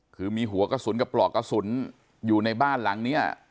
คือมีหัวกระสุนกับปลอกกระสุนอยู่ในบ้านหลังนี้